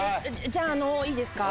じゃあいいですか？